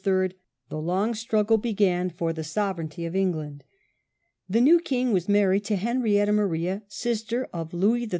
3 the long struggle began for the sovereignty of England. The new king was married to Henrietta Maria, sister of Louis XIII.